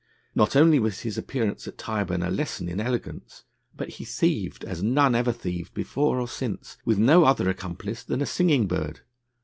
Not only was his appearance at Tyburn a lesson in elegance, but he thieved, as none ever thieved before or since, with no other accomplice than a singing bird.